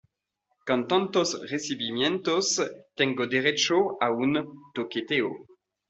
con tantos recibimientos, tengo derecho a un toqueteo.